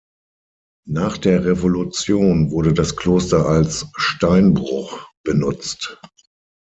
Nach der Revolution wurde das Kloster als Steinbruch benutzt.